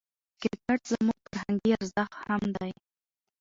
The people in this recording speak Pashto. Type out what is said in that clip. کرکټ زموږ فرهنګي ارزښت هم دئ.